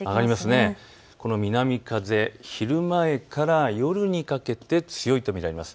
南風、昼前から夜にかけて強いと見られます。